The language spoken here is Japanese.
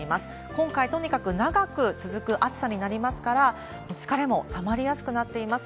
今回、とにかく長く続く暑さになりますから、疲れもたまりやすくなっています。